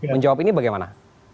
menjawab ini bagaimana